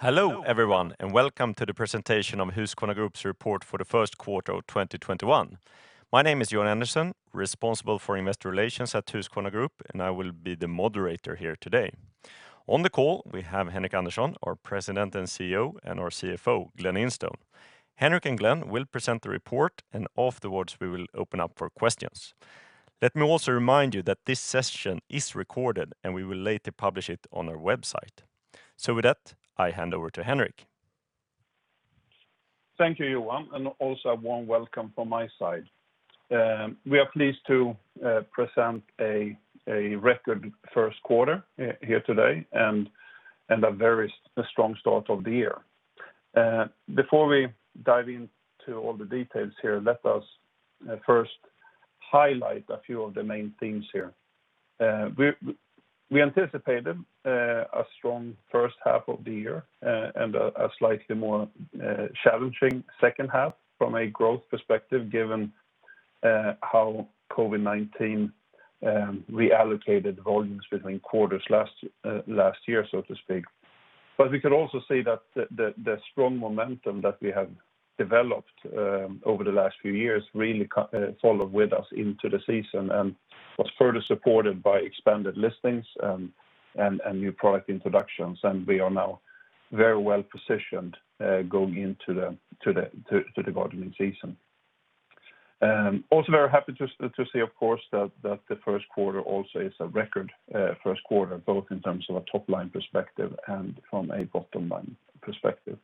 Hello everyone, and welcome to the presentation of Husqvarna Group's report for the first quarter of 2021. My name is Johan Andersson, responsible for Investor Relations at Husqvarna Group. I will be the moderator here today. On the call, we have Henric Andersson, our President and CEO, our CFO, Glen Instone. Henric and Glen will present the report. Afterwards, we will open up for questions. Let me also remind you that this session is recorded. We will later publish it on our website. With that, I hand over to Henric. Thank you, Johan, and also a warm welcome from my side. We are pleased to present a record first quarter here today and a very strong start of the year. Before we dive into all the details here, let us first highlight a few of the main things here. We anticipated a strong first half of the year and a slightly more challenging second half from a growth perspective, given how COVID-19 reallocated volumes between quarters last year, so to speak. We could also see that the strong momentum that we have developed over the last few years really followed with us into the season and was further supported by expanded listings and new product introductions. We are now very well-positioned going into the gardening season. Also very happy to say, of course, that the first quarter also is a record first quarter, both in terms of a top-line perspective and from a bottom-line perspective.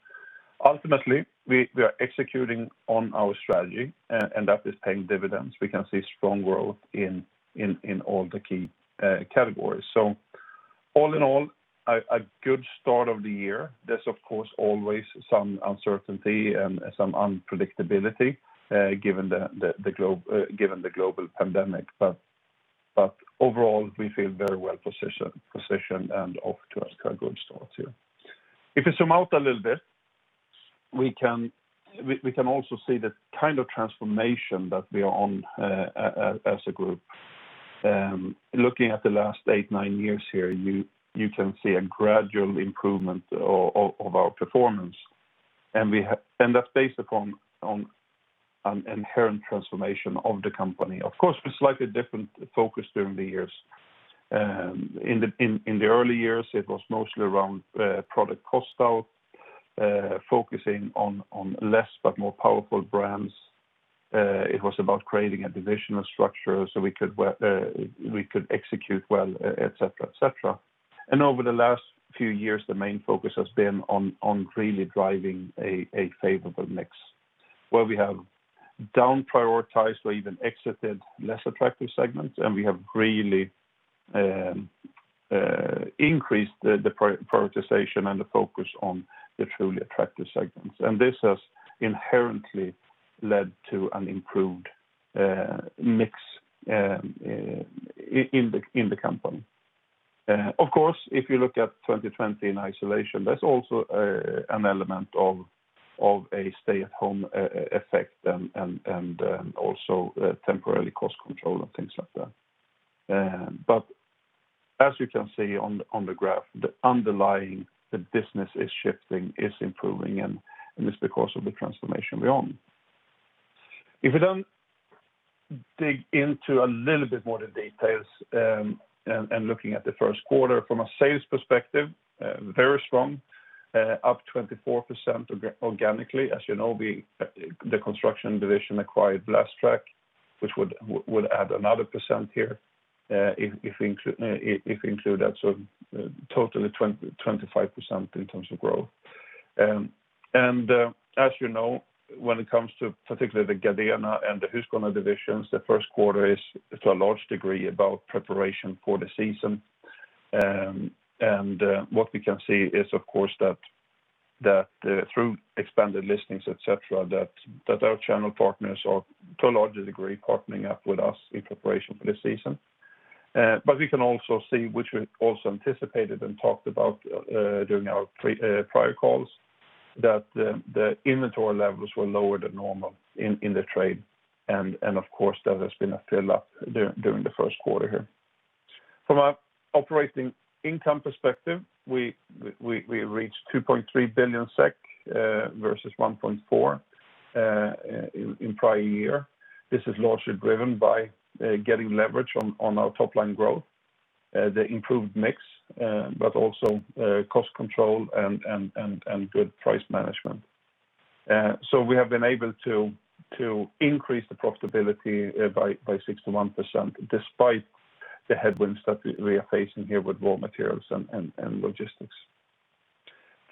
Ultimately, we are executing on our strategy, and that is paying dividends. We can see strong growth in all the key categories. All in all, a good start of the year. There's, of course, always some uncertainty and some unpredictability given the global pandemic. Overall, we feel very well-positioned and off to a good start here. If we zoom out a little bit, we can also see the kind of transformation that we are on as a group. Looking at the last eight, nine years here, you can see a gradual improvement of our performance. That's based upon an inherent transformation of the company. Of course, with slightly different focus during the years. In the early years, it was mostly around product cost out, focusing on less but more powerful brands. It was about creating a divisional structure so we could execute well, et cetera. Over the last few years, the main focus has been on really driving a favorable mix where we have down-prioritized or even exited less attractive segments, and we have really increased the prioritization and the focus on the truly attractive segments. This has inherently led to an improved mix in the company. Of course, if you look at 2020 in isolation, there's also an element of a stay-at-home effect and also temporary cost control and things like that. As you can see on the graph, the underlying business is shifting, is improving, and it's because of the transformation we're on. If we then dig into a little bit more the details and looking at the first quarter from a sales perspective, very strong, up 24% organically. As you know, the construction division acquired Blastrac, which would add another percent here if you include that, so totally 25% in terms of growth. As you know, when it comes to particularly the Gardena and the Husqvarna divisions, the first quarter is to a large degree about preparation for the season. What we can see is, of course, that through expanded listings, et cetera, that our channel partners are to a larger degree partnering up with us in preparation for the season. We can also see, which we also anticipated and talked about during our prior calls, that the inventory levels were lower than normal in the trade. Of course, there has been a fill-up during the first quarter here. From an operating income perspective, we reached 2.3 billion SEK versus 1.4 billion in prior year. This is largely driven by getting leverage on our top-line growth, the improved mix, but also cost control and good price management. We have been able to increase the profitability by 61%, despite the headwinds that we are facing here with raw materials and logistics.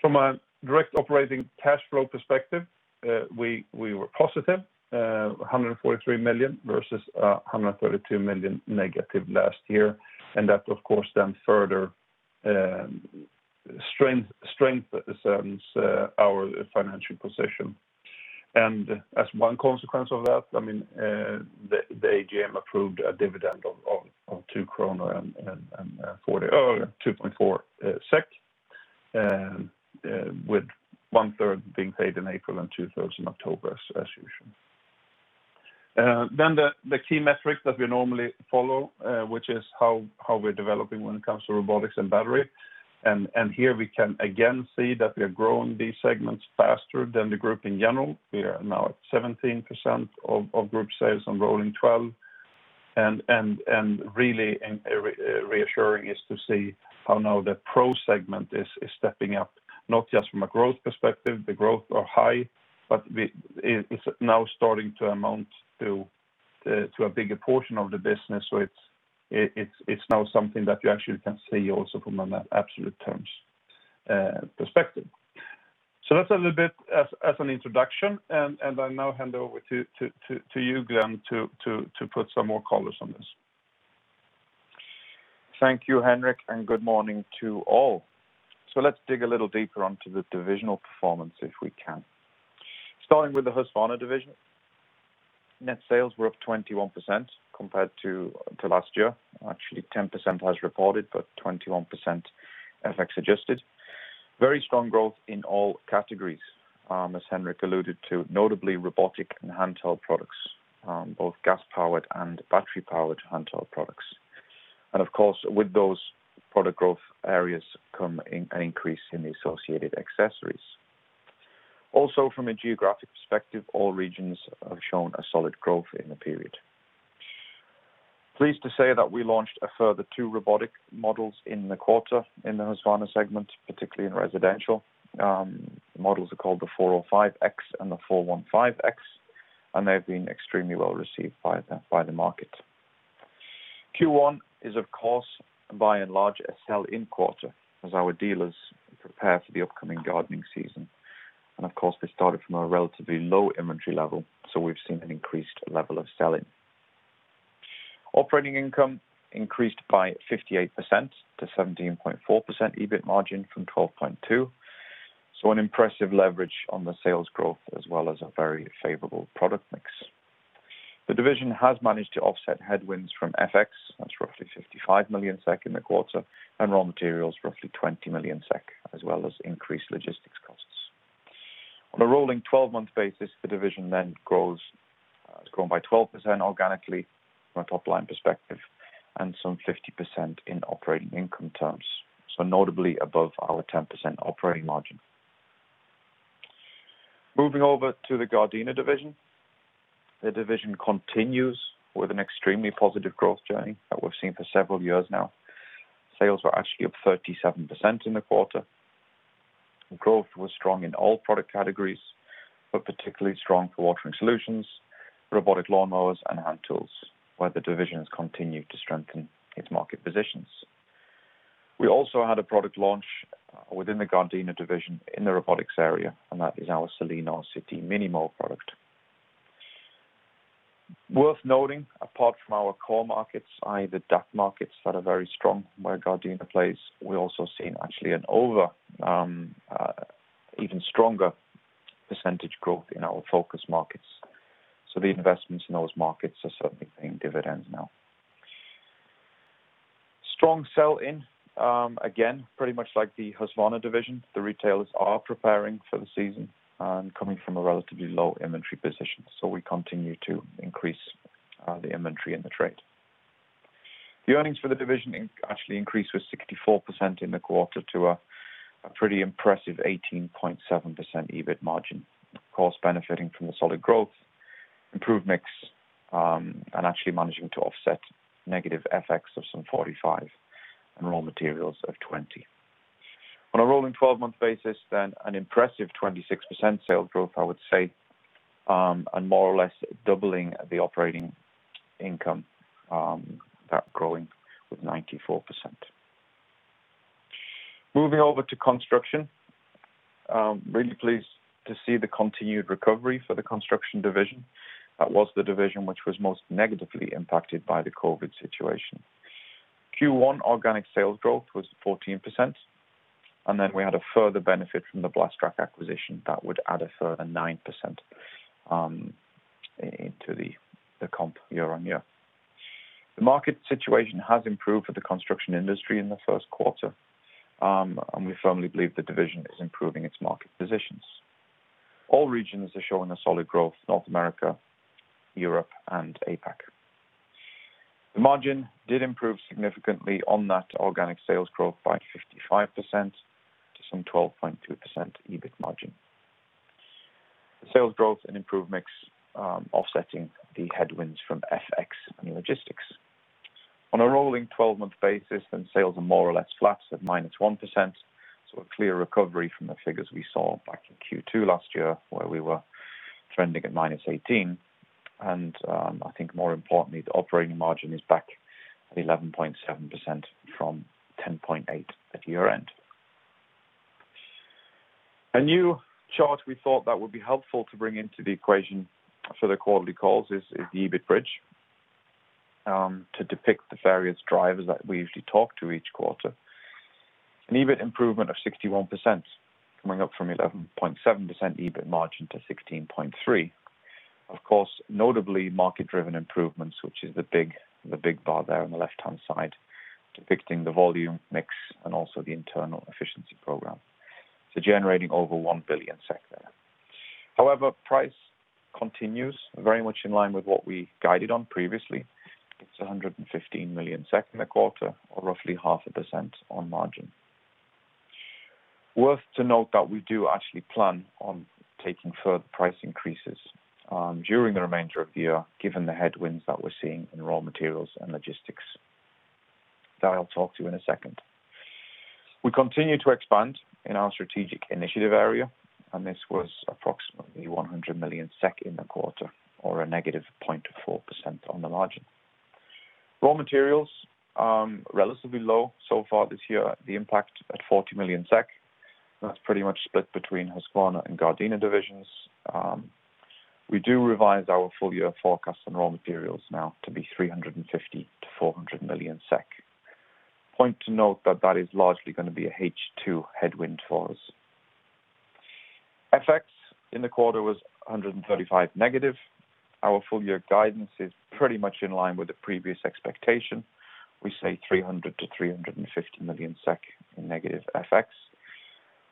From a direct operating cash flow perspective, we were positive, 143 million versus 132 million negative last year. That, of course, then further strengthens our financial position. As one consequence of that, the AGM approved a dividend of 2.40 krona, with one-third being paid in April and two-thirds in October as usual. The key metrics that we normally follow, which is how we're developing when it comes to robotics and battery. Here we can again see that we are growing these segments faster than the group in general. We are now at 17% of group sales on rolling 12. Really reassuring is to see how now the pro segment is stepping up, not just from a growth perspective, the growth are high, but it's now starting to amount to a bigger portion of the business. It's now something that you actually can see also from an absolute terms perspective. That's a little bit as an introduction, and I now hand over to you, Glen, to put some more colors on this. Thank you, Henric. Good morning to all. Let's dig a little deeper onto the divisional performance if we can. Starting with the Husqvarna division. Net sales were up 21% compared to last year. Actually, 10% as reported, but 21% FX adjusted. Very strong growth in all categories. As Henric alluded to, notably robotic and handheld products, both gas-powered and battery-powered handheld products. Of course, with those product growth areas come an increase in the associated accessories. Also, from a geographic perspective, all regions have shown a solid growth in the period. Pleased to say that we launched a further two robotic models in the quarter in the Husqvarna segment, particularly in residential. The models are called the 405X and the 415X, and they've been extremely well received by the market. Q1 is, of course, by and large, a sell-in quarter as our dealers prepare for the upcoming gardening season. Of course, we started from a relatively low inventory level, so we've seen an increased level of sell-in. Operating income increased by 58% to 17.4% EBIT margin from 12.2%. An impressive leverage on the sales growth as well as a very favorable product mix. The division has managed to offset headwinds from FX, that's roughly 55 million SEK in the quarter, and raw materials, roughly 20 million SEK, as well as increased logistics costs. On a rolling 12-month basis, the division grows by 12% organically from a top-line perspective and some 50% in operating income terms. Notably above our 10% operating margin. Moving over to the Gardena division. The division continues with an extremely positive growth journey that we've seen for several years now. Sales were actually up 37% in the quarter. Growth was strong in all product categories, but particularly strong for watering solutions, robotic lawnmowers, and hand tools, where the division has continued to strengthen its market positions. We also had a product launch within the Gardena division in the robotics area, and that is our SILENO minimo product. Worth noting, apart from our core markets, i.e. the DACH markets that are very strong where Gardena plays, we're also seeing actually an over even stronger percentage growth in our focus markets. The investments in those markets are certainly paying dividends now. Strong sell-in. Again, pretty much like the Husqvarna division, the retailers are preparing for the season and coming from a relatively low inventory position. We continue to increase the inventory in the trade. The earnings for the division actually increased with 64% in the quarter to a pretty impressive 18.7% EBIT margin. Of course, benefiting from the solid growth, improved mix, and actually managing to offset negative FX of some 45 and raw materials of 20. On a rolling 12-month basis, an impressive 26% sales growth, I would say, and more or less doubling the operating income, that growing with 94%. Moving over to construction. Really pleased to see the continued recovery for the construction division. That was the division which was most negatively impacted by the COVID situation. Q1 organic sales growth was 14%, and then we had a further benefit from the Blastrac acquisition that would add a further 9% into the comp year-on-year. The market situation has improved for the construction industry in the first quarter, and we firmly believe the division is improving its market positions. All regions are showing a solid growth, North America, Europe and APAC. The margin did improve significantly on that organic sales growth by 55% to some 12.2% EBIT margin. The sales growth and improved mix offsetting the headwinds from FX and logistics. On a rolling 12-month basis, sales are more or less flat at -1%. A clear recovery from the figures we saw back in Q2 last year where we were trending at minus 18%. I think more importantly, the operating margin is back at 11.7% from 10.8% at year-end. A new chart we thought that would be helpful to bring into the equation for the quarterly calls is the EBIT bridge to depict the various drivers that we usually talk to each quarter. An EBIT improvement of 61% coming up from 11.7% EBIT margin to 16.3%. Of course, notably market-driven improvements, which is the big bar there on the left-hand side depicting the volume mix and also the internal efficiency program, generating over 1 billion SEK there. However, price continues very much in line with what we guided on previously. It is 115 million SEK in the quarter or roughly 0.5% on margin. Worth to note that we do actually plan on taking further price increases during the remainder of the year, given the headwinds that we are seeing in raw materials and logistics, that I will talk to in a second. We continue to expand in our strategic initiative area, and this was approximately 100 million SEK in the quarter, or a -0.4% on the margin. Raw materials, relatively low so far this year. The impact at 40 million SEK. That is pretty much split between Husqvarna and Gardena divisions. We do revise our full year forecast on raw materials now to be 350 to 400 million SEK. Point to note that that is largely going to be a H2 headwind for us. FX in the quarter was 135 negative. Our full year guidance is pretty much in line with the previous expectation. We say 300 to 350 million SEK in negative FX.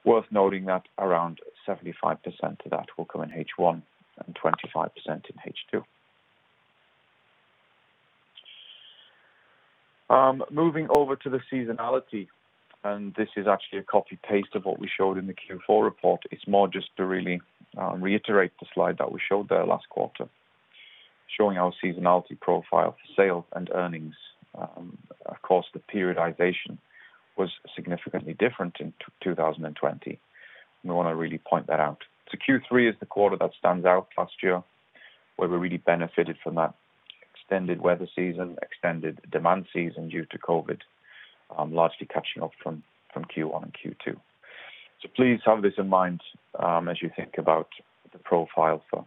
Worth noting that around 75% of that will come in H1 and 25% in H2. Moving over to the seasonality, this is actually a copy paste of what we showed in the Q4 report. It's more just to really reiterate the slide that we showed there last quarter, showing our seasonality profile for sales and earnings. Of course, the periodization was significantly different in 2020. We want to really point that out. Q3 is the quarter that stands out last year, where we really benefited from that extended weather season, extended demand season due to COVID, largely catching up from Q1 and Q2. Please have this in mind as you think about the profile for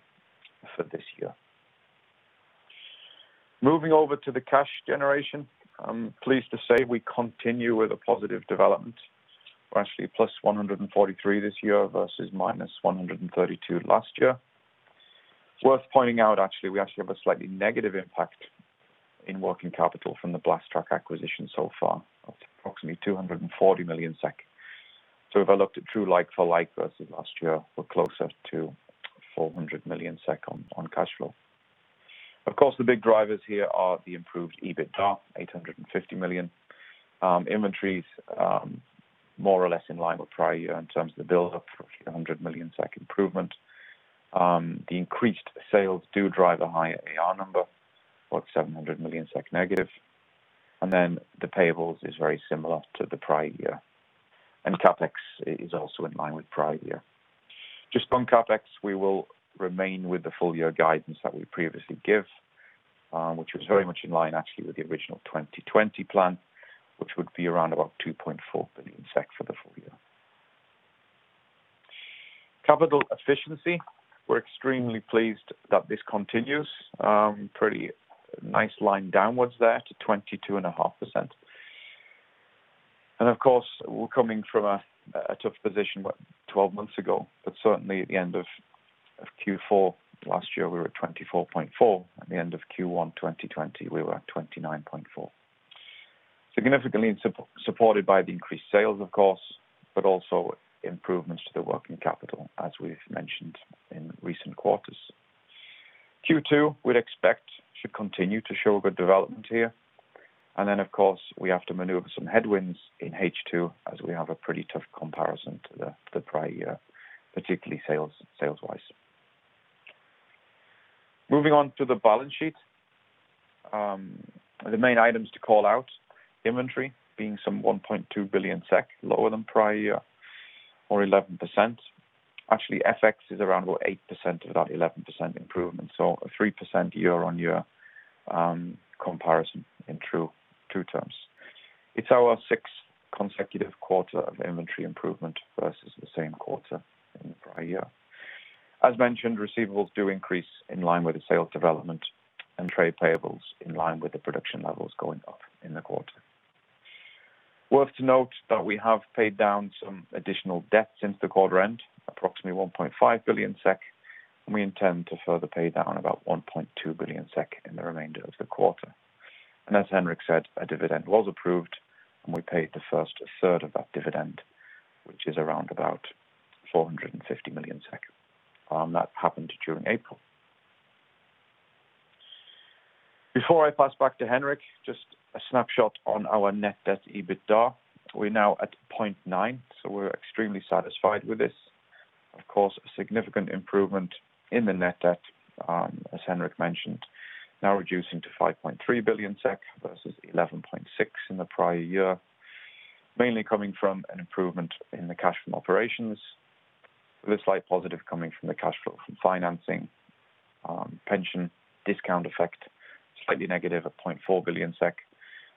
this year. Moving over to the cash generation. I am pleased to say we continue with a positive development. We are actually plus 143 this year versus minus 132 last year. It is worth pointing out actually, we actually have a slightly negative impact in working capital from the Blastrac acquisition so far of approximately 240 million SEK. If I looked at true like for like versus last year, we are closer to 400 million SEK on cash flow. Of course, the big drivers here are the improved EBITDA, 850 million. Inventories, more or less in line with prior year in terms of the build up, roughly 100 million SEK improvement. The increased sales do drive a higher AR number, about 700 million SEK negative. The payables is very similar to the prior year. CapEx is also in line with prior year. Just on CapEx, we will remain with the full year guidance that we previously give, which was very much in line actually with the original 2020 plan, which would be around about 2.4 billion SEK for the full year. Capital efficiency, we're extremely pleased that this continues. Pretty nice line downwards there to 22.5%. Of course, we're coming from a tough position 12 months ago, but certainly at the end of Q4 last year, we were at 24.4%. At the end of Q1 2020, we were at 29.4%. Significantly supported by the increased sales, of course, but also improvements to the working capital, as we've mentioned in recent quarters. Q2, we'd expect should continue to show good development here. Of course, we have to maneuver some headwinds in H2 as we have a pretty tough comparison to the prior year, particularly sales wise. Moving on to the balance sheet. The main items to call out, inventory being some 1.2 billion SEK lower than prior year or 11%. Actually, FX is around about 8% of that 11% improvement, so a 3% year-on-year comparison in true terms. It's our sixth consecutive quarter of inventory improvement versus the same quarter in the prior year. As mentioned, receivables do increase in line with the sales development and trade payables in line with the production levels going up in the quarter. Worth to note that we have paid down some additional debt since the quarter end, approximately 1.5 billion SEK, and we intend to further pay down about 1.2 billion SEK in the remainder of the quarter. as Henric Andersson said, a dividend was approved, and we paid the first third of that dividend, which is around about 450 million. That happened during April. Before I pass back to Henric Andersson, just a snapshot on our net debt EBITDA. We're now at 0.9, so we're extremely satisfied with this. Of course, a significant improvement in the net debt, as Henric mentioned, now reducing to 5.3 billion SEK versus 11.6 in the prior year, mainly coming from an improvement in the cash from operations with a slight positive coming from the cash flow from financing, pension discount effect, slightly negative at 0.4 billion SEK,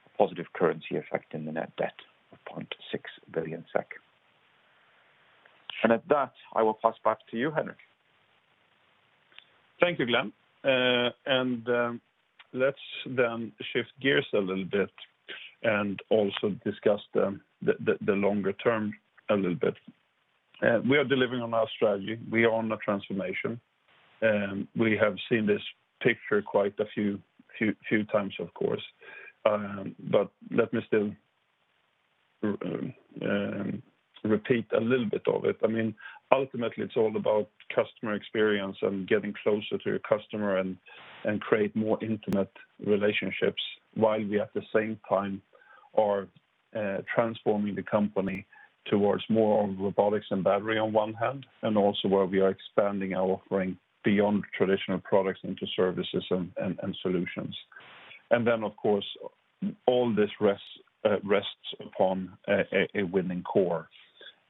a positive currency effect in the net debt of 0.6 billion SEK. At that, I will pass back to you, Henric. Thank you, Glen. Let's then shift gears a little bit and also discuss the longer term a little bit. We are delivering on our strategy. We are on a transformation. We have seen this picture quite a few times, of course. Let me still repeat a little bit of it. Ultimately, it's all about customer experience and getting closer to your customer and create more intimate relationships while we, at the same time, are transforming the company towards more of robotics and battery on one hand, and also where we are expanding our offering beyond traditional products into services and solutions. Of course, all this rests upon a winning core.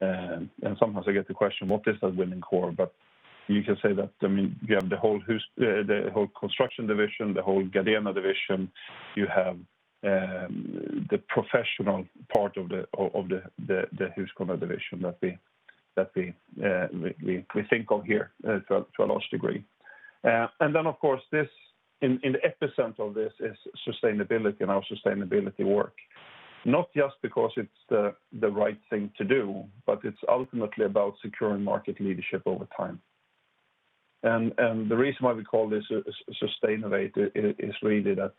Sometimes I get the question, "What is that winning core?" You can say that you have the whole Construction division, the whole Gardena division. You have the professional part of the Husqvarna division that we think of here to a large degree. Of course, in the epicenter of this is sustainability and our sustainability work, not just because it's the right thing to do, but it's ultimately about securing market leadership over time. The reason why we call this a Sustainovate is really that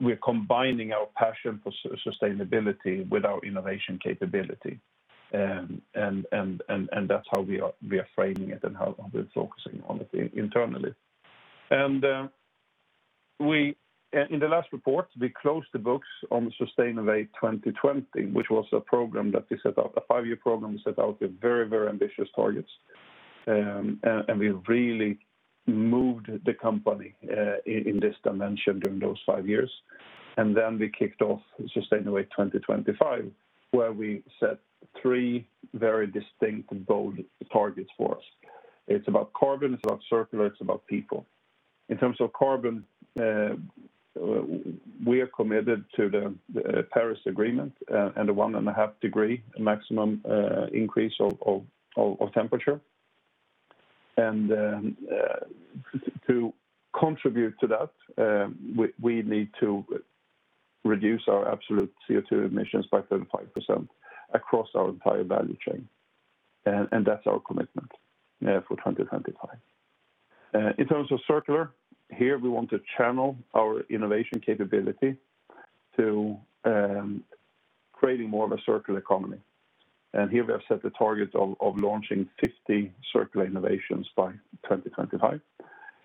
we're combining our passion for sustainability with our innovation capability. That's how we are framing it and how we're focusing on it internally. In the last report, we closed the books on Sustainovate 2020, which was a five-year program we set out with very ambitious targets. We've really moved the company in this dimension during those five years. We kicked off Sustainovate 2025, where we set three very distinct and bold targets for us. It's about carbon, it's about circular, it's about people. In terms of carbon, we are committed to the Paris Agreement and the one and a half degree maximum increase of temperature. To contribute to that, we need to reduce our absolute CO2 emissions by 35% across our entire value chain, and that's our commitment for 2025. In terms of circular, here we want to channel our innovation capability to creating more of a circular economy. Here we have set the target of launching 50 circular innovations by 2025.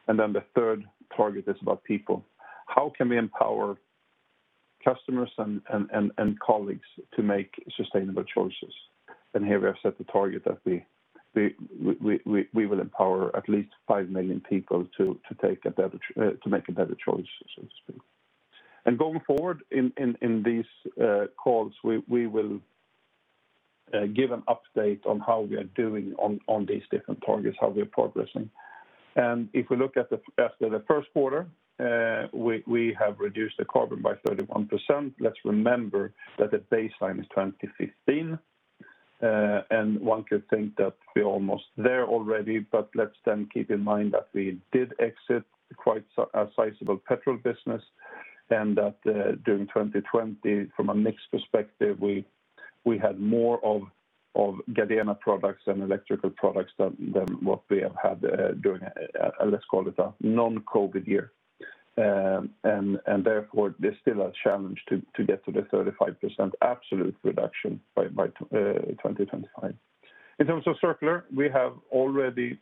The third target is about people. How can we empower customers and colleagues to make sustainable choices? Here we have set the target that we will empower at least five million people to make a better choice, so to speak. Going forward in these calls, we will give an update on how we are doing on these different targets, how we are progressing. If we look after the first quarter, we have reduced the carbon by 31%. Let's remember that the baseline is 2015, and one could think that we're almost there already, but let's then keep in mind that we did exit quite a sizable petrol business, and that during 2020, from a mix perspective, we had more of Gardena products and electrical products than what we have had during, let's call it a non-COVID year. Therefore, there's still a challenge to get to the 35% absolute reduction by 2025. In terms of circular, we have already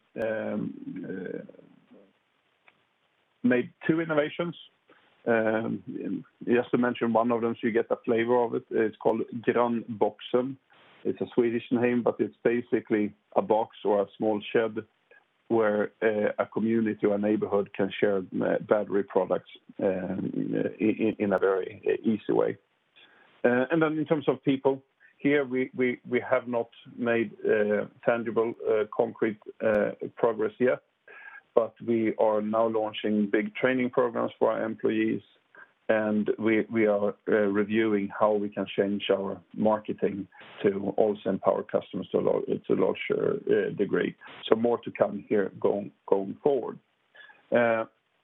made two innovations. Just to mention one of them, so you get a flavor of it's called Grannboxen. It's a Swedish name, but it's basically a box or a small shed where a community or neighborhood can share battery products in a very easy way. In terms of people, here we have not made tangible concrete progress yet, but we are now launching big training programs for our employees, and we are reviewing how we can change our marketing to also empower customers to a large degree. More to come here going forward.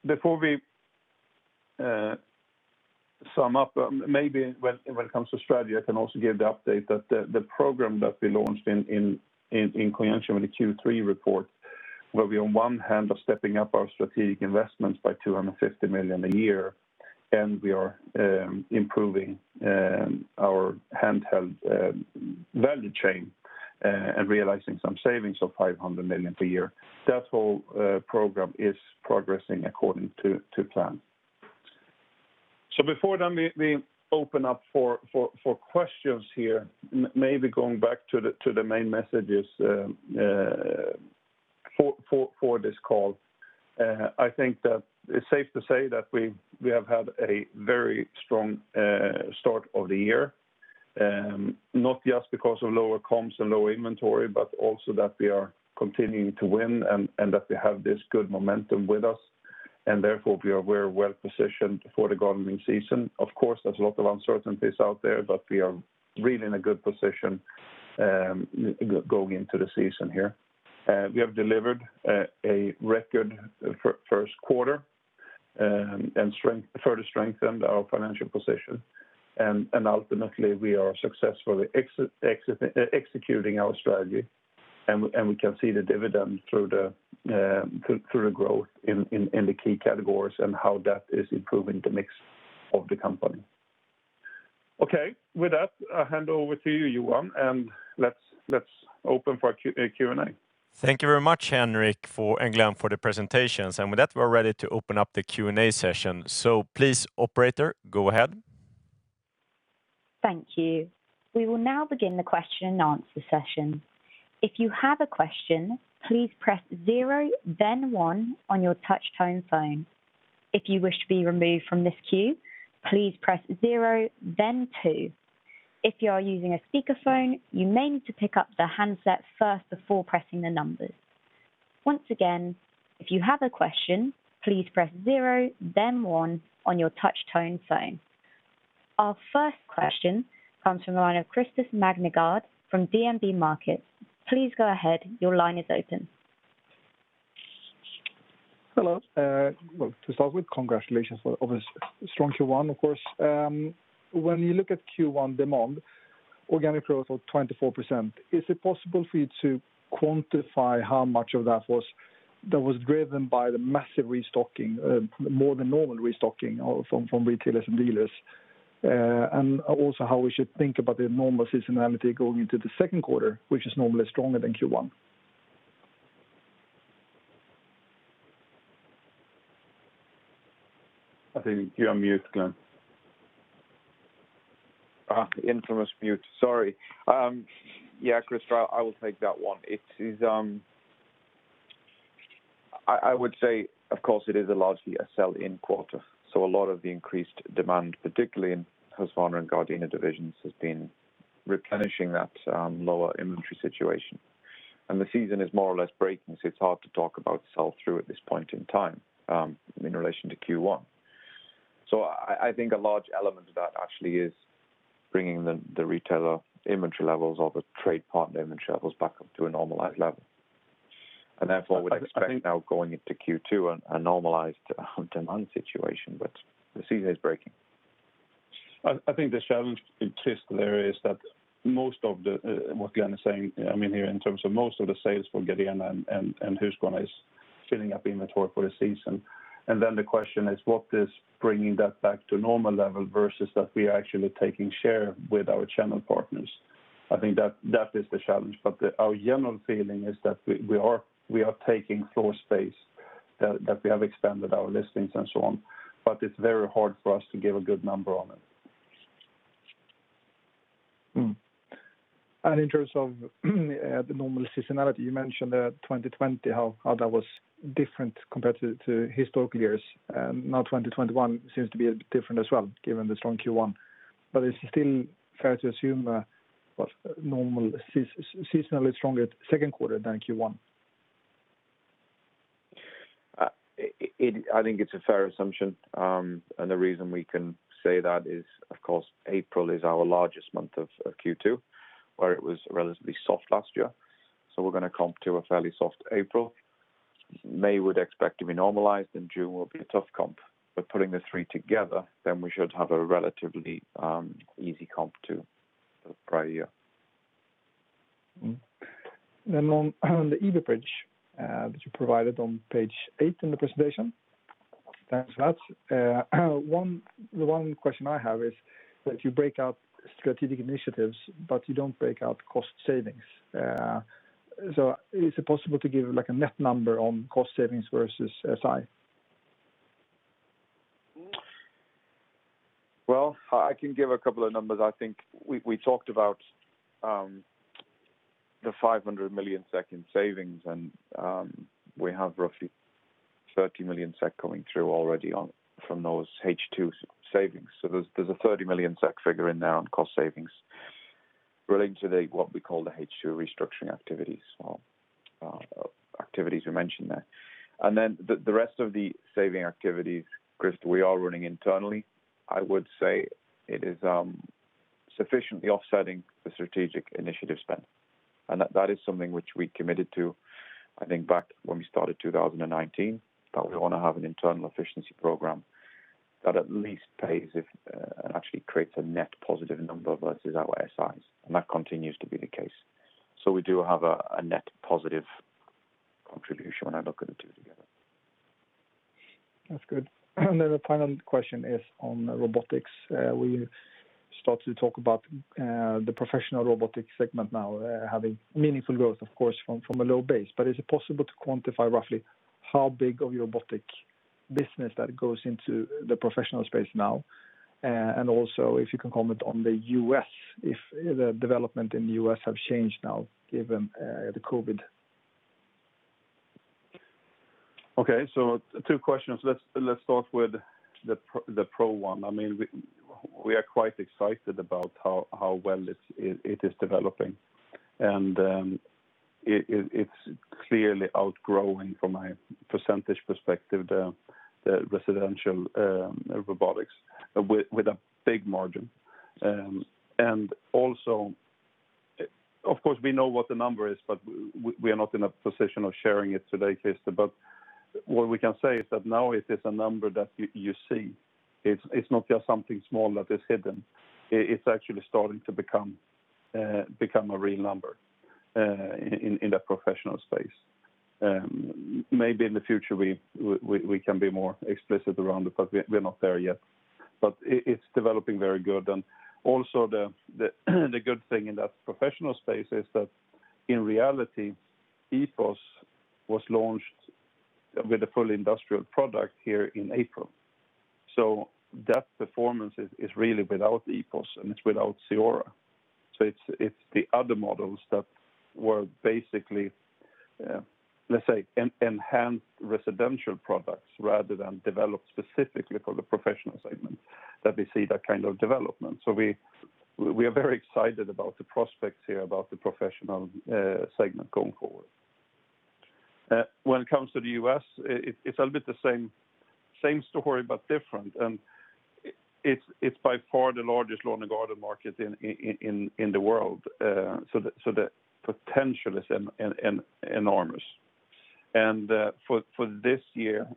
Before we sum up, maybe when it comes to strategy, I can also give the update that the program that we launched in conjunction with the Q3 report, where we, on one hand, are stepping up our strategic investments by 250 million a year, and we are improving our handheld value chain and realizing some savings of 500 million per year. That whole program is progressing according to plan. Before then we open up for questions here, maybe going back to the main messages for this call. I think that it's safe to say that we have had a very strong start of the year, not just because of lower comps and lower inventory, but also that we are continuing to win and that we have this good momentum with us, and therefore we are very well positioned for the gardening season. Of course, there's a lot of uncertainties out there, but we are really in a good position going into the season here. We have delivered a record first quarter, and further strengthened our financial position. Ultimately, we are successfully executing our strategy. We can see the dividend through the growth in the key categories and how that is improving the mix of the company. Okay. With that, I hand over to you, Johan, and let's open for Q&A. Thank you very much, Henric and Glen, for the presentations. With that, we're ready to open up the Q&A session. Please, operator, go ahead. Thank you. We will now begin the question-and-answer session. If you have a question, please press zero, then one on your touch tone phone. If you wish to be removed from this queue, please press zero, then two. If you are using a speakerphone, you may need to pick up the handset first before pressing the numbers. Once again, if you have a question, please press zero, then one on your touch tone phone. Our first question comes from the line of Christer Magnergård from DNB Markets. Please go ahead. Your line is open. Hello. Well, to start with, congratulations for a strong Q1, of course. When you look at Q1 demand, organic growth of 24%, is it possible for you to quantify how much of that was driven by the massive restocking, more than normal restocking from retailers and dealers? Also how we should think about the enormous seasonality going into the second quarter, which is normally stronger than Q1. I think you're on mute, Glen. Yeah, Christer, I will take that one. I would say, of course, it is largely a sell-in quarter, so a lot of the increased demand, particularly in Husqvarna and Gardena divisions, has been replenishing that lower inventory situation. The season is more or less breaking, so it's hard to talk about sell-through at this point in time in relation to Q1. I think a large element of that actually is bringing the retailer inventory levels or the trade partner inventory levels back up to a normalized level. Therefore would expect now going into Q2 a normalized demand situation, but the season is breaking. I think the challenge exists there is that most of what Glen is saying here in terms of most of the sales for Gardena and Husqvarna is filling up inventory for the season. Then the question is what is bringing that back to normal level versus that we are actually taking share with our channel partners. I think that is the challenge, but our general feeling is that we are taking floor space, that we have expanded our listings and so on, but it's very hard for us to give a good number on it. in terms of the normal seasonality, you mentioned that 2020, how that was different compared to historical years. Now 2021 seems to be a bit different as well given the strong Q1. Is it still fair to assume a normal seasonally stronger second quarter than Q1? I think it's a fair assumption. The reason we can say that is, of course, April is our largest month of Q2, where it was relatively soft last year. We're going to comp to a fairly soft April. May we'd expect to be normalized, and June will be a tough comp. Putting the three together, then we should have a relatively easy comp to the prior year. On the EBIT bridge that you provided on page 8 in the presentation. Thanks for that. The one question I have is that you break out strategic initiatives, but you don't break out cost savings. Is it possible to give a net number on cost savings versus SI? Well, I can give a couple of numbers. I think we talked about the 500 million SEK in savings, and we have roughly 30 million SEK coming through already from those H2 savings. There's a 30 million SEK figure in there on cost savings relating to what we call the H2 restructuring activities or activities we mentioned there. The rest of the saving activities, Christer, we are running internally. I would say it is sufficiently offsetting the strategic initiative spend. That is something which we committed to, I think back when we started 2019, that we want to have an internal efficiency program that at least pays if and actually creates a net positive number versus our SIs. That continues to be the case. We do have a net positive contribution when I look at the two together. That's good. The final question is on robotics. We start to talk about the professional robotics segment now having meaningful growth, of course, from a low base. Is it possible to quantify roughly how big of robotic business that goes into the professional space now? Also if you can comment on the U.S., if the development in the U.S. have changed now given the COVID. Okay, two questions. Let's start with the pro one. We are quite excited about how well it is developing. It's clearly outgrowing from a percentage perspective the residential robotics with a big margin. Also, of course, we know what the number is, but we are not in a position of sharing it today, Christer, but what we can say is that now it is a number that you see. It's not just something small that is hidden. It's actually starting to become a real number in the professional space. Maybe in the future, we can be more explicit around it, but we're not there yet. It's developing very good. Also the good thing in that professional space is that in reality, EPOS was launched with a full industrial product here in April. That performance is really without EPOS, and it's without CEORA. It's the other models that were basically, let's say, enhanced residential products rather than developed specifically for the professional segment that we see that kind of development. We are very excited about the prospects here, about the professional segment going forward. When it comes to the U.S., it's a little bit the same story, but different. It's by far the largest lawn and garden market in the world. The potential is enormous. For this year,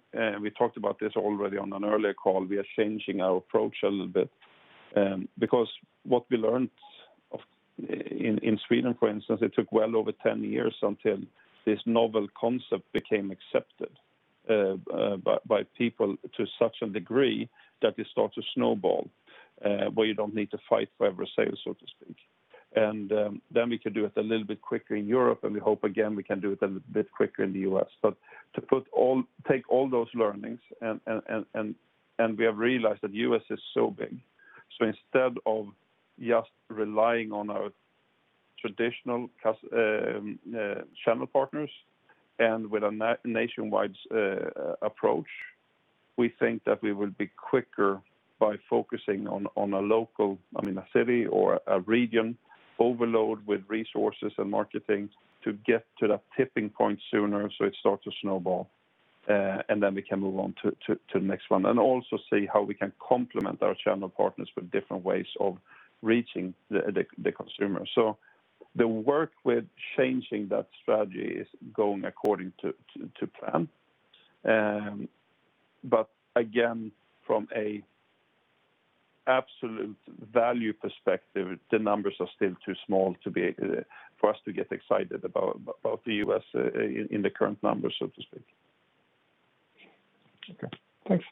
we talked about this already on an earlier call, we are changing our approach a little bit. Because what we learned in Sweden, for instance, it took well over 10 years until this novel concept became accepted by people to such a degree that it start to snowball, where you don't need to fight for every sale, so to speak. We can do it a little bit quicker in Europe, and we hope again, we can do it a little bit quicker in the U.S. to take all those learnings, and we have realized that U.S. is so big. instead of just relying on our traditional channel partners and with a nationwide approach, we think that we will be quicker by focusing on a local, I mean, a city or a region, overload with resources and marketing to get to that tipping point sooner, so it starts to snowball. we can move on to the next one. also see how we can complement our channel partners with different ways of reaching the consumer. The work with changing that strategy is going according to plan. Again, from an absolute value perspective, the numbers are still too small for us to get excited about the U.S. in the current numbers, so to speak. Okay, thanks.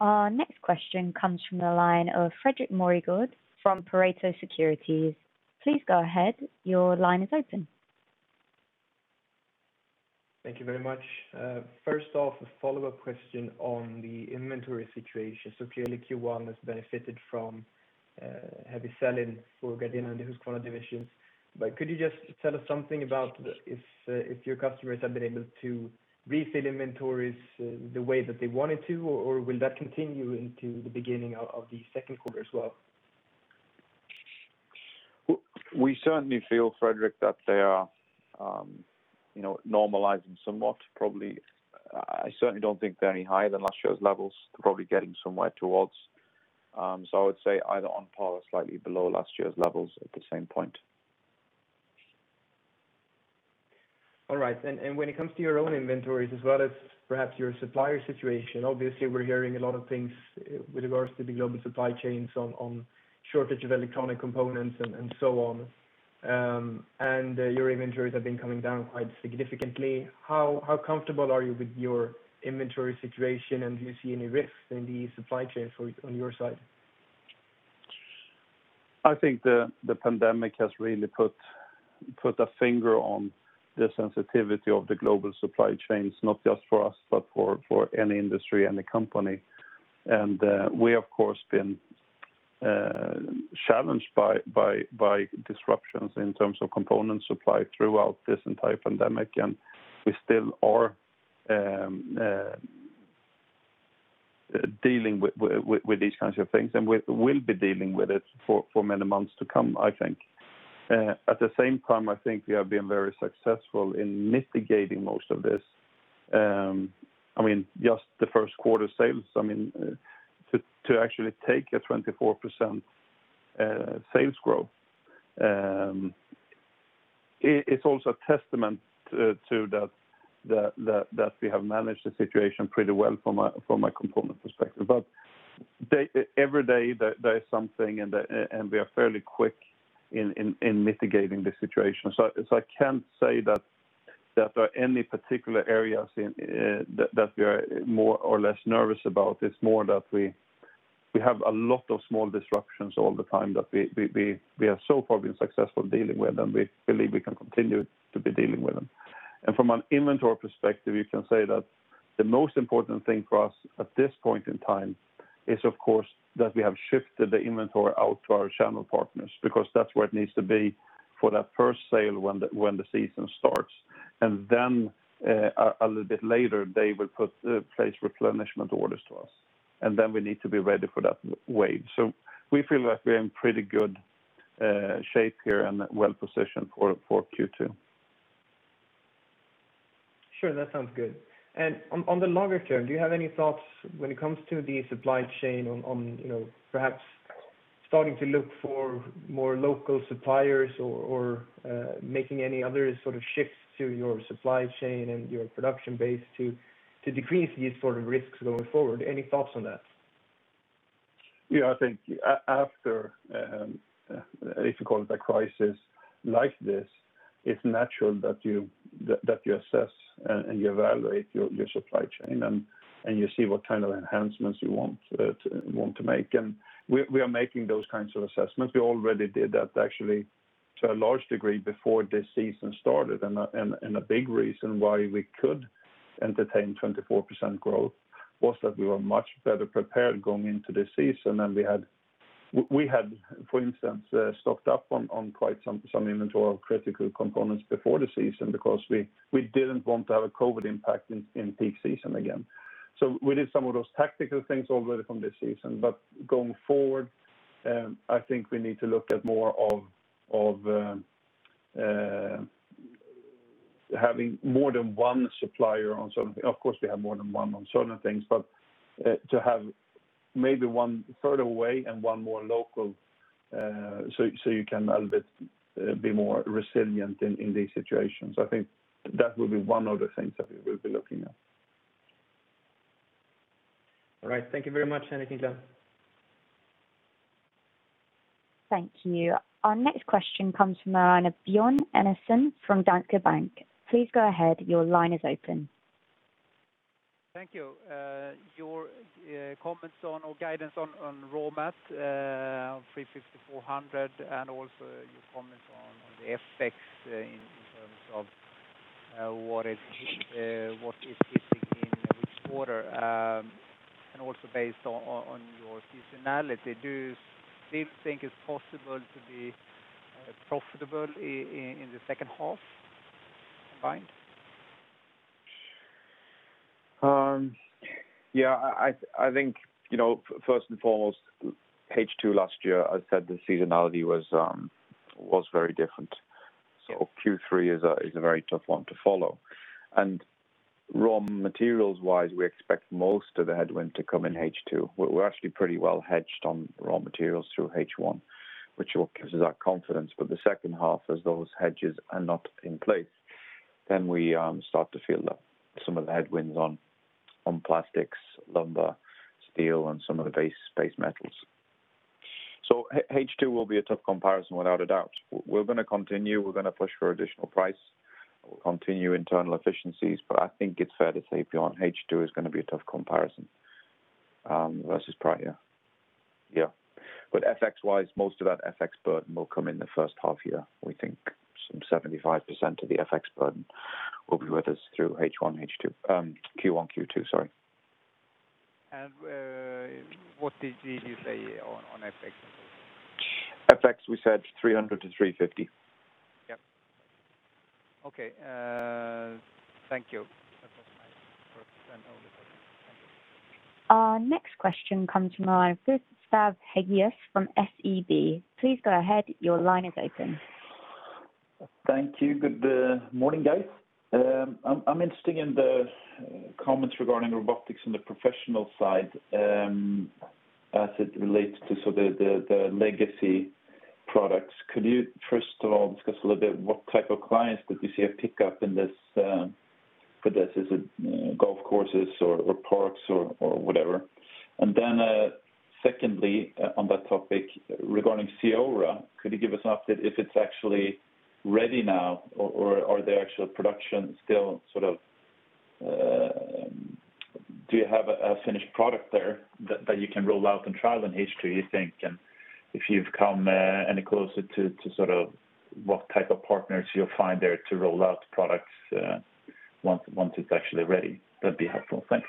Our next question comes from the line of Fredrik Loken from Pareto Securities. Please go ahead. Your line is open. Thank you very much. First off, a follow-up question on the inventory situation. Clearly Q1 has benefited from heavy selling for Gardena and the Husqvarna divisions. Could you just tell us something about if your customers have been able to refill inventories the way that they wanted to, or will that continue into the beginning of the second quarter as well? We certainly feel, Fredrik, that they are normalizing somewhat. I certainly don't think they're any higher than last year's levels. They're probably getting somewhere towards. I would say either on par or slightly below last year's levels at the same point. All right. When it comes to your own inventories as well as perhaps your supplier situation, obviously we're hearing a lot of things with regards to the global supply chains on shortage of electronic components and so on. Your inventories have been coming down quite significantly. How comfortable are you with your inventory situation, and do you see any risks in the supply chain on your side? I think the pandemic has really put a finger on the sensitivity of the global supply chains, not just for us, but for any industry, any company. We of course been challenged by disruptions in terms of component supply throughout this entire pandemic, and we still are dealing with these kinds of things, and we'll be dealing with it for many months to come, I think. At the same time, I think we have been very successful in mitigating most of this. I mean, just the first quarter sales, to actually take a 24% sales growth, it's also a testament to that we have managed the situation pretty well from a component perspective. Every day there is something, and we are fairly quick in mitigating the situation. I can't say that there are any particular areas that we are more or less nervous about. It's more that we have a lot of small disruptions all the time that we have so far been successful dealing with, and we believe we can continue to be dealing with them. From an inventory perspective, you can say that the most important thing for us at this point in time is of course, that we have shifted the inventory out to our channel partners, because that's where it needs to be for that first sale when the season starts. A little bit later, they will place replenishment orders to us, and then we need to be ready for that wave. We feel like we're in pretty good shape here and well-positioned for Q2. Sure, that sounds good. On the longer term, do you have any thoughts when it comes to the supply chain on perhaps starting to look for more local suppliers or making any other sort of shifts to your supply chain and your production base to decrease these sort of risks going forward. Any thoughts on that? Yeah, I think after, if you call it a crisis like this, it's natural that you assess and you evaluate your supply chain and you see what kind of enhancements you want to make. We are making those kinds of assessments. We already did that actually to a large degree before this season started. A big reason why we could entertain 24% growth was that we were much better prepared going into this season than we had. We had, for instance, stocked up on quite some inventory of critical components before the season because we didn't want to have a COVID impact in peak season again. We did some of those tactical things already from this season, but going forward, I think we need to look at more of having more than one supplier on something. Of course, we have more than one on certain things, but to have maybe one further away and one more local, so you can a little bit be more resilient in these situations. I think that will be one of the things that we'll be looking at. All right. Thank you very much, Henric Andersson. Thank you. Our next question comes from Björn Enarson from Danske Bank. Please go ahead. Your line is open. Thank you. Your comments on our guidance on raw mat 350, 400, and also your comments on the FX in terms of what is hitting in which quarter, and also based on your seasonality, do you still think it's possible to be profitable in the second half combined? Yeah, I think, first and foremost, H2 last year, I said the seasonality was very different. Q3 is a very tough one to follow. Raw materials-wise, we expect most of the headwind to come in H2. We're actually pretty well hedged on raw materials through H1, which gives us that confidence. The second half as those hedges are not in place, then we start to feel some of the headwinds on plastics, lumber, steel, and some of the base metals. H2 will be a tough comparison without a doubt. We're going to continue. We're going to push for additional price. We'll continue internal efficiencies, but I think it's fair to say, Björn Enarson, H2 is going to be a tough comparison versus prior year. Yeah. FX-wise, most of that FX burden will come in the first half year. We think some 75% of the FX burden will be with us through Q1, Q2. What did you say on FX? FX, we said 300-350. Yep. Okay. Thank you. That was my first and only question. Thank you. Our next question comes from Gustav Hagéus from SEB. Please go ahead. Your line is open. Thank you. Good morning, guys. I'm interested in the comments regarding robotics on the professional side, as it relates to the legacy products. Could you first of all discuss a little bit what type of clients that you see a pickup for this? Is it golf courses or parks or whatever? Then secondly, on that topic regarding CEORA, could you give us an update if it's actually ready now? Do you have a finished product there that you can roll out and trial in Q3, you think? If you've come any closer to what type of partners you'll find there to roll out products once it's actually ready? That'd be helpful. Thanks.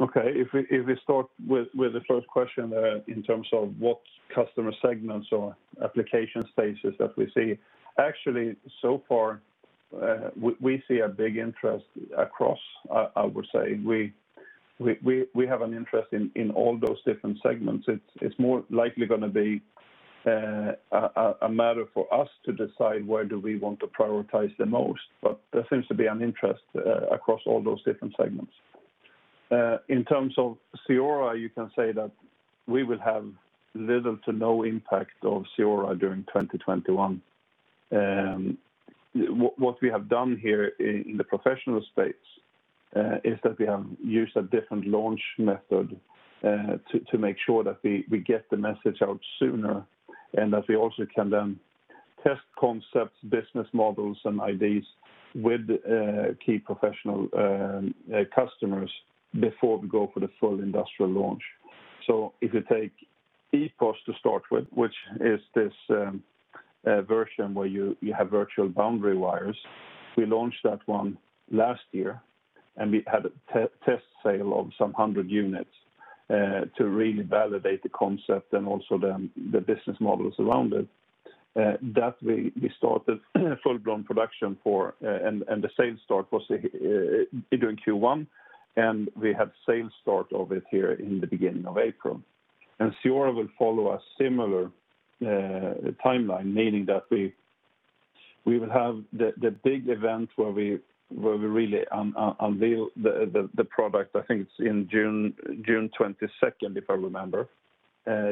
Okay. If we start with the first question in terms of what customer segments or application stages that we see. Actually, so far, we see a big interest across, I would say. We have an interest in all those different segments. It's more likely going to be a matter for us to decide where do we want to prioritize the most, but there seems to be an interest across all those different segments. In terms of CEORA, you can say that we will have little to no impact of CEORA during 2021. What we have done here in the professional space, is that we have used a different launch method to make sure that we get the message out sooner, and that we also can then test concepts, business models, and IDs with key professional customers before we go for the full industrial launch. if you take EPOS to start with, which is this version where you have virtual boundary wires. We launched that one last year, and we had a test sale of some 100 units to really validate the concept and also then the business models around it. That we started full-blown production for, and the sales start was during Q1, and we have sales start of it here in the beginning of April. CEORA will follow a similar timeline, meaning that we will have the big event where we really unveil the product. I think it's on June 22nd, if I remember,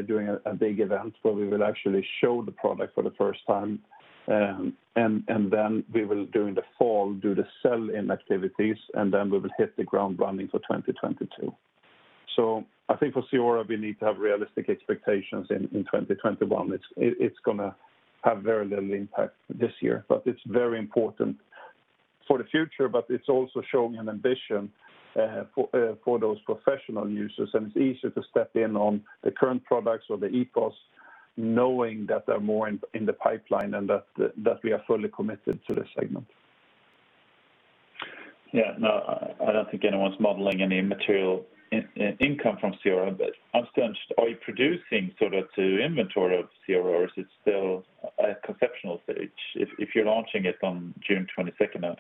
doing a big event where we will actually show the product for the first time. we will, during the fall, do the sell-in activities, and then we will hit the ground running for 2022. I think for CEORA, we need to have realistic expectations in 2021. It's going to have very little impact this year, but it's very important for the future. It's also showing an ambition for those professional users, and it's easier to step in on the current products or the EPOS, knowing that they're more in the pipeline and that we are fully committed to the segment. Yeah, no, I don't think anyone's modeling any material income from CEORA. I'm still interested, are you producing to inventory of CEORA, or is it still at conceptual stage? If you're launching it on June 22nd,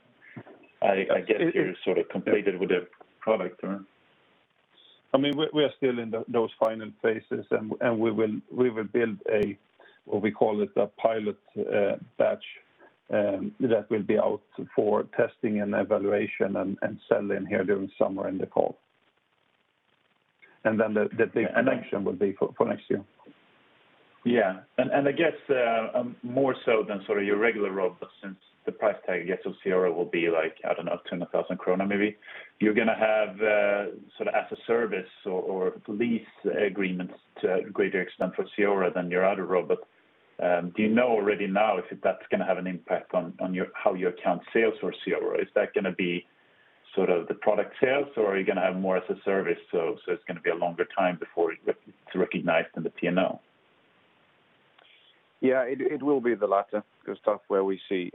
I guess you've completed with the product. We are still in those final phases, and we will build a, what we call it, a pilot batch, that will be out for testing and evaluation and sell in here during summer and the fall. The big action will be for next year. Yeah. I guess more so than your regular robot, since the price tag of CEORA will be like, I don't know, 200,000 krona maybe, you're going to have as a service or lease agreements to a greater extent for CEORA than your other robot. Do you know already now if that's going to have an impact on how you account sales for CEORA? Is that going to be the product sales, or are you going to have more as a service, so it's going to be a longer time before it's recognized in the P&L? Yeah, it will be the latter, Gustav, where we see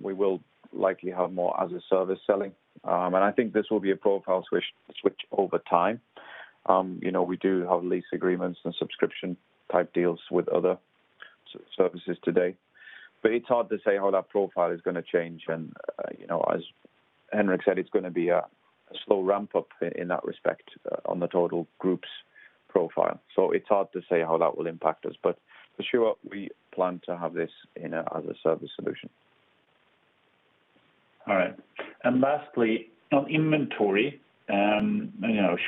we will likely have more as-a-service selling. I think this will be a profile switch over time. We do have lease agreements and subscription-type deals with other services today, but it's hard to say how that profile is going to change. As Henric said, it's going to be a slow ramp-up in that respect on the total group's profile. It's hard to say how that will impact us. For sure, we plan to have this in as a service solution. All right. Lastly, on inventory,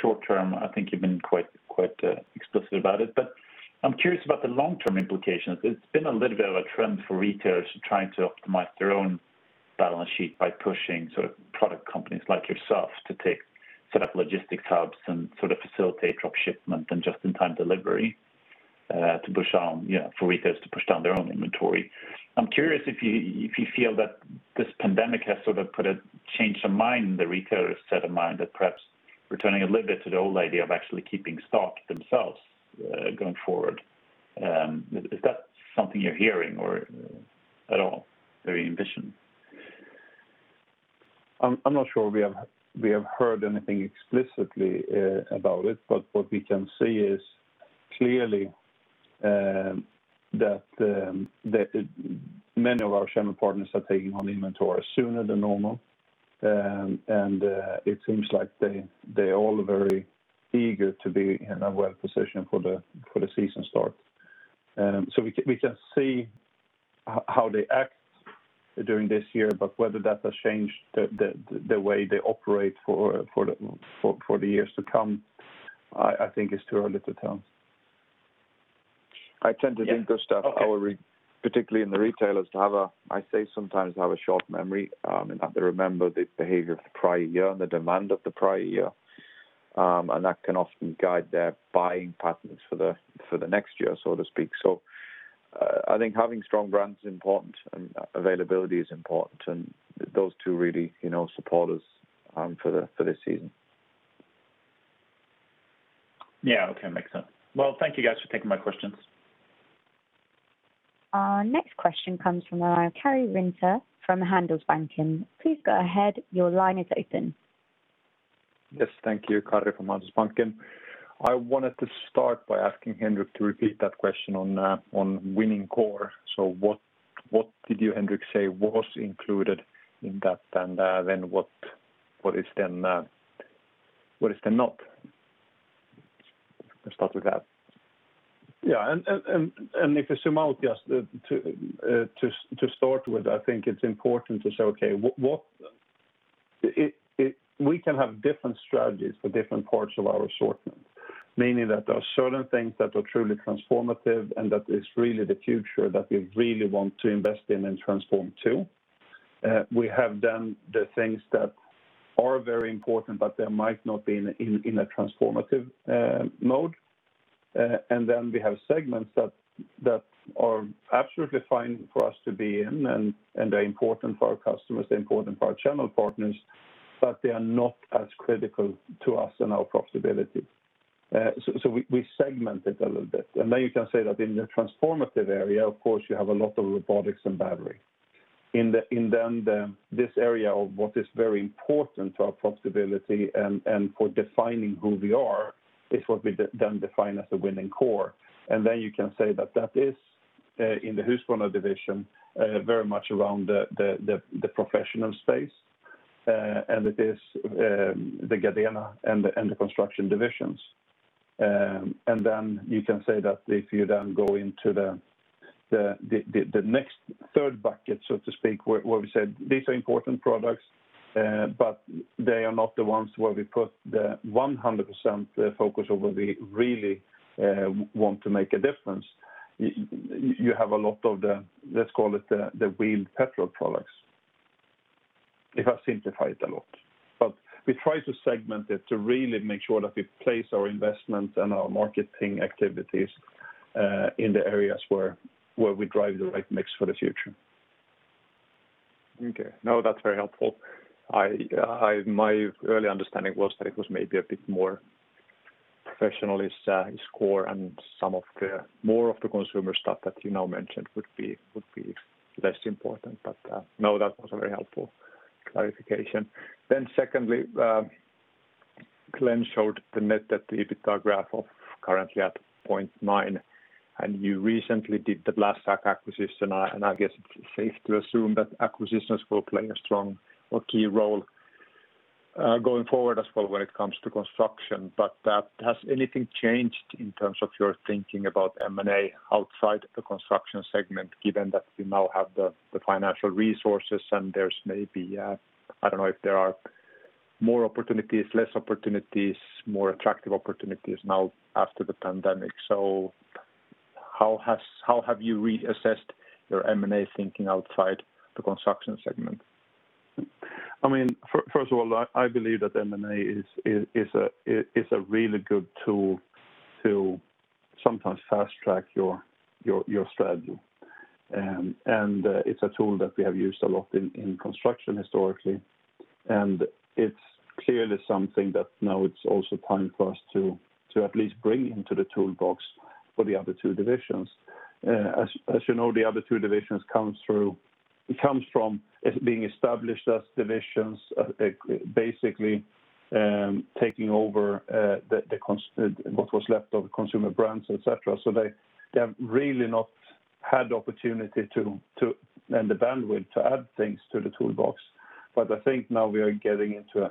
short term, I think you've been quite explicit about it, but I'm curious about the long-term implications. It's been a little bit of a trend for retailers trying to optimize their own balance sheet by pushing product companies like yourselves to set up logistics hubs and facilitate drop shipment and just-in-time delivery for retailers to push down their own inventory. I'm curious if you feel that this pandemic has put a change of mind in the retailer's set of mind that perhaps returning a little bit to the old idea of actually keeping stock themselves going forward. Is that something you're hearing at all, or you envision? I'm not sure we have heard anything explicitly about it, but what we can see is clearly that many of our channel partners are taking on inventory sooner than normal, and it seems like they're all very eager to be in a well position for the season start. We can see how they act during this year, but whether that has changed the way they operate for the years to come, I think it's too early to tell. I tend to think Gustav, particularly in the retailers, I say sometimes have a short memory in that they remember the behavior of the prior year and the demand of the prior year. That can often guide their buying patterns for the next year, so to speak. I think having strong brands is important and availability is important, and those two really support us for this season. Yeah, okay, makes sense. Well, thank you guys for taking my questions. Our next question comes from Karri Rinta from Handelsbanken. Please go ahead. Your line is open. Yes, thank you. Karri from Handelsbanken. I wanted to start by asking Henric to repeat that question on winning core. What did you, Henric, say was included in that, and then what is the not? Let's start with that. Yeah. if I zoom out just to start with, I think it's important to say, okay, we can have different strategies for different parts of our assortment, meaning that there are certain things that are truly transformative and that is really the future that we really want to invest in and transform to. We have then the things that are very important, but they might not be in a transformative mode. We have segments that are absolutely fine for us to be in, and they're important for our customers, they're important for our channel partners, but they are not as critical to us and our profitability. We segment it a little bit. You can say that in the transformative area, of course, you have a lot of robotics and battery. In then this area of what is very important to our profitability and for defining who we are is what we then define as a winning core. You can say that that is, in the Husqvarna division, very much around the professional space. It is the Gardena and the construction divisions. You can say that if you then go into the next third bucket, so to speak, where we said these are important products, but they are not the ones where we put the 100% focus or where we really want to make a difference. You have a lot of the, let's call it, the wheeled petrol products. If I simplify it a lot. We try to segment it to really make sure that we place our investment and our marketing activities in the areas where we drive the right mix for the future. Okay. No, that's very helpful. My early understanding was that it was maybe a bit more Professional is core and more of the consumer stuff that you now mentioned would be less important. No, that was a very helpful clarification. Secondly, Glen showed the net debt to EBITDA graph of currently at 0.9, and you recently did the Blastrac acquisition, and I guess it's safe to assume that acquisitions will play a strong or key role going forward as well when it comes to construction. Has anything changed in terms of your thinking about M&A outside the construction segment, given that we now have the financial resources, and there's maybe, I don't know, if there are more opportunities, less opportunities, more attractive opportunities now after the pandemic. How have you reassessed your M&A thinking outside the construction segment? First of all, I believe that M&A is a really good tool to sometimes fast track your strategy. it's a tool that we have used a lot in construction historically, and it's clearly something that now it's also time for us to at least bring into the toolbox for the other two divisions. As you know, the other two divisions comes from it being established as divisions, basically taking over what was left of consumer brands, et cetera. They have really not had the opportunity and the bandwidth to add things to the toolbox. I think now we are getting into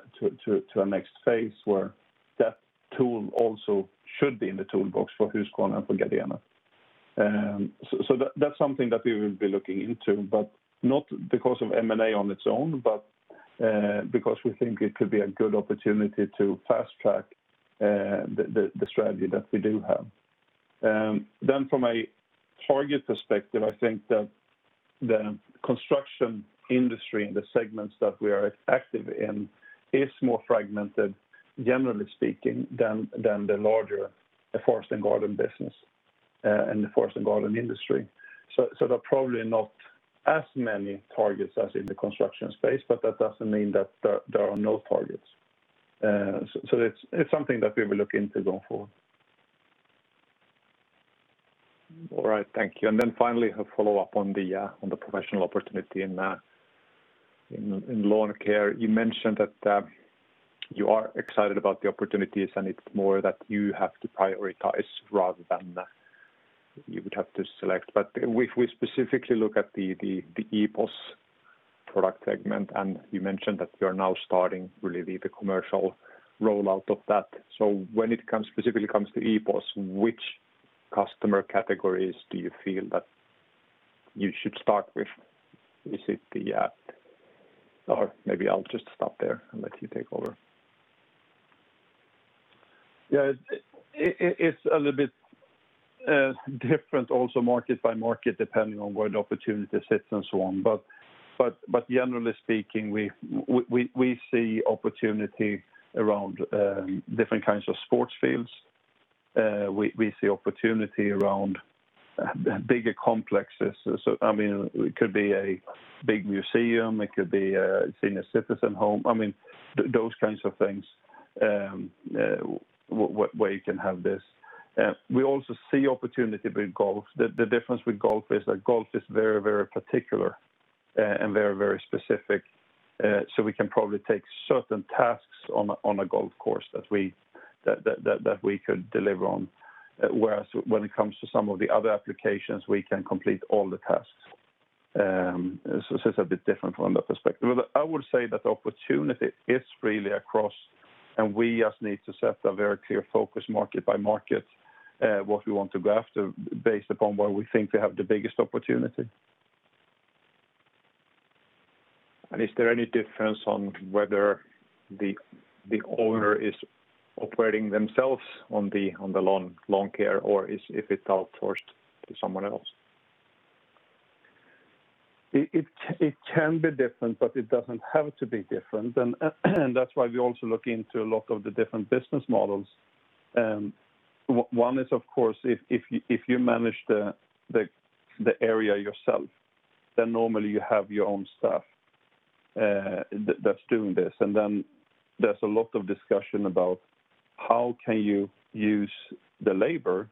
a next phase where that tool also should be in the toolbox for Husqvarna and for Gardena. That's something that we will be looking into, but not because of M&A on its own, but because we think it could be a good opportunity to fast track the strategy that we do have. From a target perspective, I think that the construction industry and the segments that we are active in is more fragmented, generally speaking, than the larger forest and garden business and the forest and garden industry. There are probably not as many targets as in the construction space, but that doesn't mean that there are no targets. It's something that we will look into going forward. All right. Thank you. Finally, a follow-up on the professional opportunity in lawn care. You mentioned that you are excited about the opportunities, and it's more that you have to prioritize rather than you would have to select. If we specifically look at the EPOS product segment, and you mentioned that you are now starting really the commercial rollout of that. When it specifically comes to EPOS, which customer categories do you feel that you should start with? Maybe I'll just stop there and let you take over. Yeah. It's a little bit different also market by market, depending on where the opportunity sits and so on. Generally speaking, we see opportunity around different kinds of sports fields. We see opportunity around bigger complexes. It could be a big museum, it could be a senior citizen home. Those kinds of things where you can have this. We also see opportunity with golf. The difference with golf is that golf is very, very particular and very, very specific. We can probably take certain tasks on a golf course that we could deliver on. Whereas when it comes to some of the other applications, we can complete all the tasks. It's a bit different from that perspective. I would say that opportunity is really across, and we just need to set a very clear focus market by market, what we want to go after based upon where we think we have the biggest opportunity. Is there any difference on whether the owner is operating themselves on the lawn care or if it's outsourced to someone else? It can be different, but it doesn't have to be different. that's why we also look into a lot of the different business models. One is, of course, if you manage the area yourself, then normally you have your own staff that's doing this. There's a lot of discussion about how can you use the labor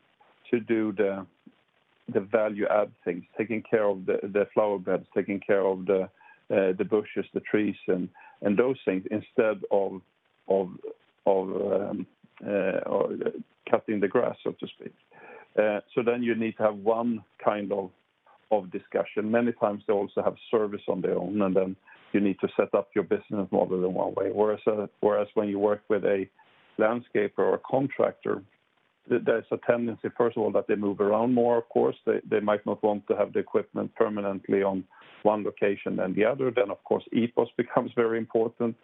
to do the value add things, taking care of the flower beds, taking care of the bushes, the trees, and those things instead of cutting the grass, so to speak. You need to have one kind of discussion. Many times they also have service on their own, and then you need to set up your business model in one way. Whereas when you work with a landscaper or a contractor, there's a tendency, first of all, that they move around more, of course. They might not want to have the equipment permanently on one location than the other. Of course, EPOS becomes very important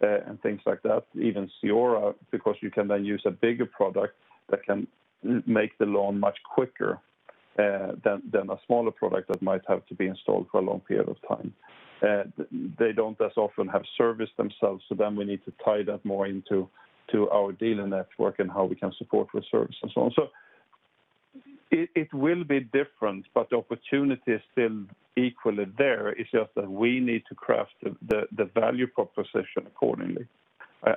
and things like that, even CEORA, because you can then use a bigger product that can make the lawn much quicker than a smaller product that might have to be installed for a long period of time. They don't as often have service themselves, we need to tie that more into our dealer network and how we can support with service and so on. It will be different, but the opportunity is still equally there. It's just that we need to craft the value proposition accordingly.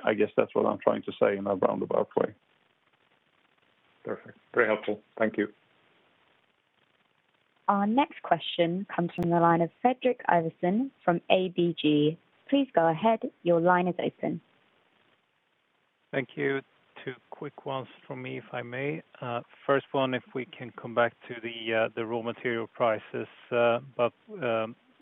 I guess that's what I'm trying to say in a roundabout way. Perfect. Very helpful. Thank you. Our next question comes from the line of Fredrik Ivarsson from ABG. Please go ahead. Your line is open. Thank you. Two quick ones from me, if I may. First one, if we can come back to the raw material prices.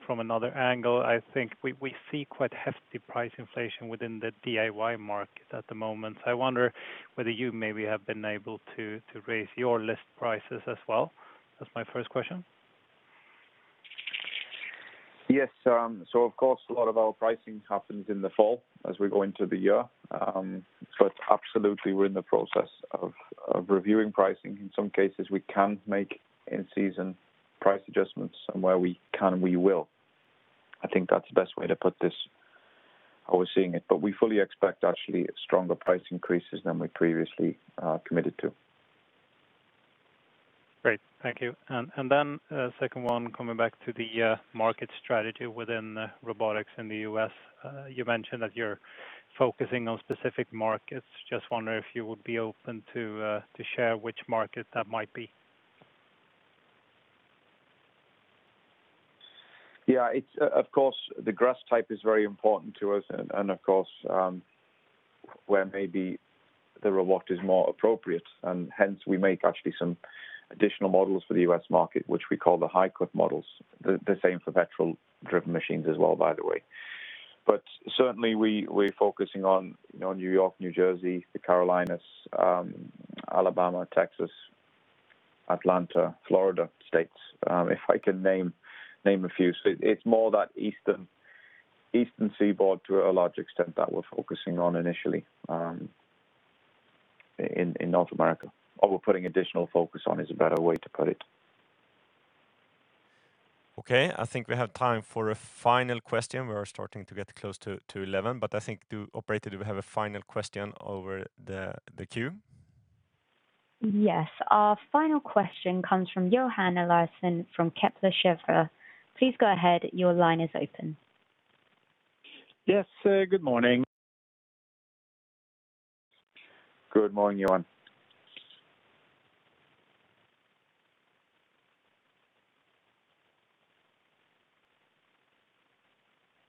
From another angle, I think we see quite hefty price inflation within the DIY market at the moment. I wonder whether you maybe have been able to raise your list prices as well. That's my first question. Yes. Of course, a lot of our pricing happens in the fall as we go into the year. It's absolutely we're in the process of reviewing pricing. In some cases, we can make in-season price adjustments, and where we can, we will. I think that's the best way to put this, how we're seeing it. We fully expect actually stronger price increases than we previously committed to. Great. Thank you. Second one, coming back to the market strategy within robotics in the U.S. You mentioned that you're focusing on specific markets. Just wondering if you would be open to share which market that might be. Yeah. Of course, the grass type is very important to us, and of course, where maybe the robot is more appropriate, and hence we make actually some additional models for the U.S. market, which we call the high-cut models. The same for gasoline-driven machines as well, by the way. Certainly, we're focusing on New York, New Jersey, the Carolinas, Alabama, Texas, Atlanta, Florida states. If I can name a few. It's more that Eastern Seaboard to a large extent that we're focusing on initially in North America. We're putting additional focus on is a better way to put it. Okay, I think we have time for a final question. We are starting to get close to 11:00 A.M., but I think, operator, do we have a final question over the queue? Yes. Our final question comes from Johan Eliason from Kepler Cheuvreux. Please go ahead. Your line is open. Yes. Good morning. Good morning, Johan.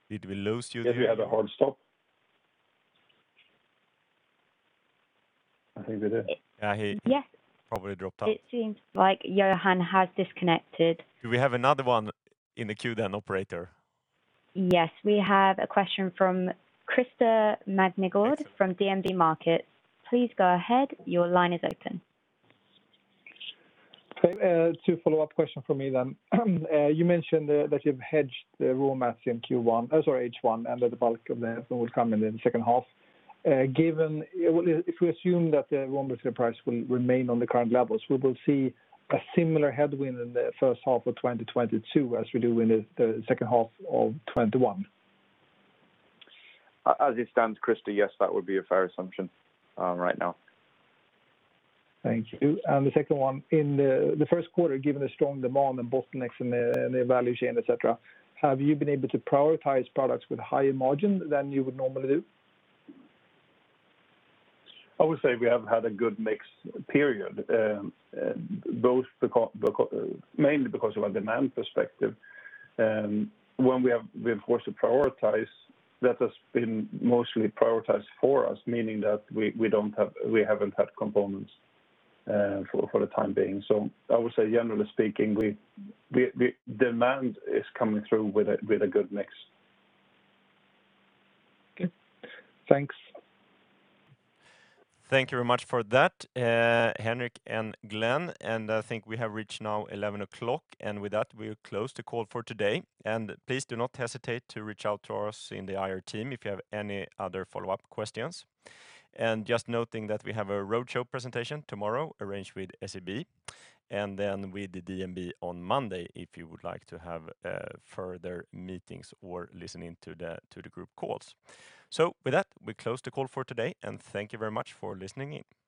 Did we lose Johan? Did we have a hard stop? I think we did. Yeah, he- Yes probably dropped out. It seems like Johan has disconnected. Do we have another one in the queue then, operator? Yes. We have a question from Christer Magnergård from DNB Markets. Please go ahead. Your line is open. Two follow-up questions from me then. You mentioned that you've hedged the raw mats in Q1, oh sorry, H1, and that the bulk of it will come in the second half. If we assume that the raw material price will remain on the current levels, we will see a similar headwind in the first half of 2022 as we do in the second half of 2021. As it stands, Christer, yes, that would be a fair assumption right now. Thank you. The second one, in the first quarter, given the strong demand and bottlenecks in the value chain, et cetera, have you been able to prioritize products with higher margin than you would normally do? I would say we have had a good mix period, mainly because of a demand perspective. When we have been forced to prioritize, that has been mostly prioritized for us, meaning that we haven't had components for the time being. I would say generally speaking, the demand is coming through with a good mix. Okay. Thanks. Thank you very much for that, Henric and Glen. I think we have reached now 11 o'clock, and with that, we'll close the call for today. Please do not hesitate to reach out to us in the IR team if you have any other follow-up questions. Just noting that we have a roadshow presentation tomorrow arranged with SEB, and then with the DNB on Monday, if you would like to have further meetings or listening to the group calls. With that, we close the call for today, and thank you very much for listening in.